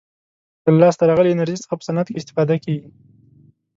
له لاسته راغلې انرژي څخه په صنعت کې استفاده کیږي.